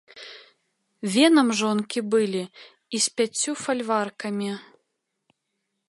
Венам жонкі былі і з пяццю фальваркамі.